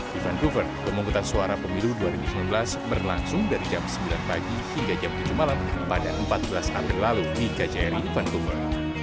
di vancouver pemungutan suara pemilu dua ribu sembilan belas berlangsung dari jam sembilan pagi hingga jam tujuh malam pada empat belas april lalu di kjri vancouver